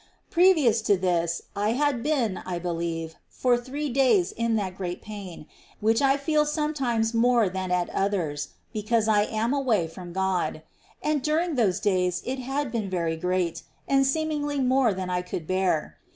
6. Previous to this, I had been, I believe, for J.1 1 • 1 • 1 • T X r» 1 Pain of the three days m that great pain, which I feel some absence from times more than at others, because I am away from God ; and during those days it had been very great, and seem ingly more than I could bear.